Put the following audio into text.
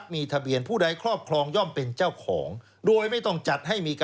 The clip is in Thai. นี่อยากเอาพรีปตานะ